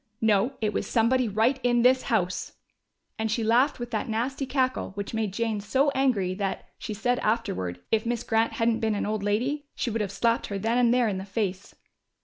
No, it was somebody right in this house!" And she laughed with that nasty cackle which made Jane so angry, that, she said afterward, if Miss Grant hadn't been an old lady, she would have slapped her then and there in the face.